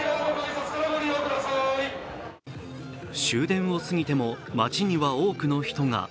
終電を過ぎても街には多くの人が。